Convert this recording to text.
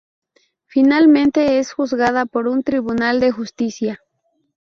Finalmente es juzgada por un tribunal de justicia.